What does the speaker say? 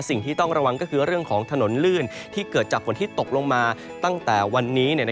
สิ่งที่ต้องระวังก็คือเรื่องของถนนลื่นที่เกิดจากฝนที่ตกลงมาตั้งแต่วันนี้